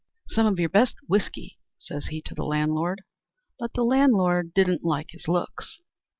"Some of your best whisky," says he to the landlord. But the landlord didn't like his looks.